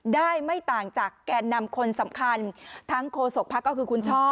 ไม่ต่างจากแกนนำคนสำคัญทั้งโคศกภักดิ์ก็คือคุณช่อ